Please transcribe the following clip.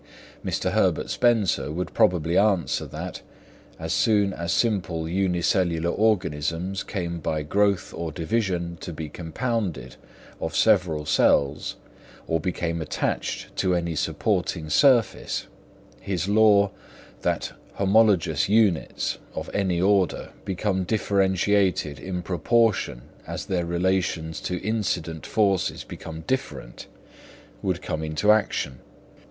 Mr. Herbert Spencer would probably answer that, as soon as simple unicellular organisms came by growth or division to be compounded of several cells, or became attached to any supporting surface, his law "that homologous units of any order become differentiated in proportion as their relations to incident forces become different" would come into action.